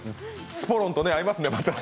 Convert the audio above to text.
スポロンと合いますね、またね。